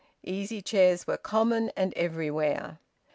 Easy chairs were common, and everywhere.